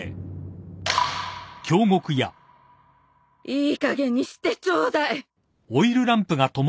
いいかげんにしてちょうだい。